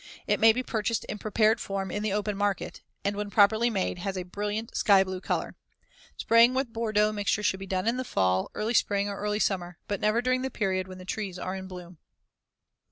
It may be purchased in prepared form in the open market, and when properly made, has a brilliant sky blue color. Spraying with Bordeaux mixture should be done in the fall, early spring, or early summer, but never during the period when the trees are in bloom.